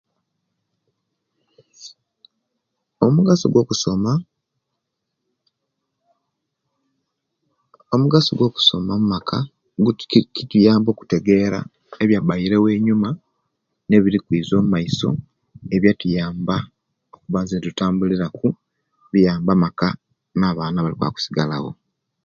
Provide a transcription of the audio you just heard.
Omugaso gwa okusoma: omugaso gwa kusoma mumaka, gutu kiki kituyamba okutegera ebyabbairewo enyuma, ne'birikwiza mumaiso, ebyatuyamba okuba zenti tutambuliraku, biyambe amaka, na abaana abalikwaba okusigalawo.